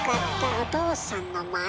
「お父さんのマネ⁉」。